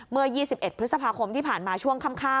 เมื่อ๒๑พฤษภาคมที่ผ่านมาช่วงค่ำ